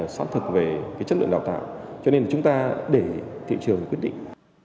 sát thật về cái chất lượng đào tạo cho nên là chúng ta để thị trường quyết định